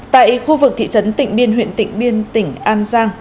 tại khu vực thị trấn tịnh biên huyện tịnh biên tỉnh an giang